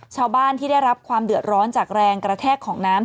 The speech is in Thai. ชาวบ้านที่ได้รับความเดือดร้อนจากแรงกระแทกของน้ำ